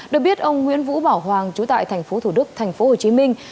được biết ông nguyễn vũ bảo hoàng trú tại thành phố thủ đức thành phố hồ chí minh